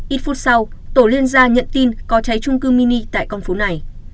ít phút sau tổ liên gia nhận tin có cháy trung cư mini tại con phố này